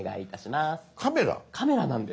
⁉カメラなんです。